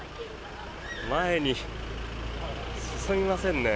前に進みませんね。